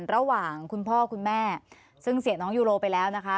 คุณพ่อคุณแม่ซึ่งเสียน้องยูโรไปแล้วนะคะ